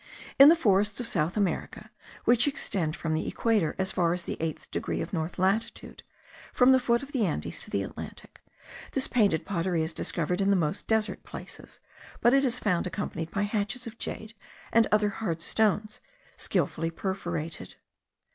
In the forests of South America, which extend from the equator as far as the eighth degree of north latitude, from the foot of the Andes to the Atlantic, this painted pottery is discovered in the most desert places, but it is found accompanied by hatchets of jade and other hard stones, skilfully perforated.